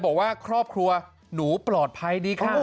บอกว่าครอบครัวหนูปลอดภัยดีค่ะ